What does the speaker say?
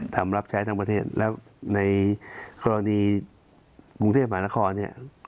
รับใช้ทั้งประเทศแล้วในกรณีกรุงเทพมหานครเนี่ย